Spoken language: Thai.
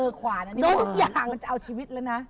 โดนทุกอย่างมันจะเอาชีวิตเลยนะ